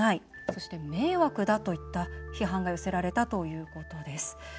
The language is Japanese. そして迷惑だといった批判が寄せられたということです。